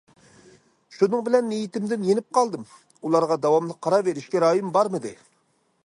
شۇنىڭ بىلەن نىيىتىمدىن يېنىپ قالدىم، ئۇلارغا داۋاملىق قاراۋېرىشكە رايىم بارمىدى.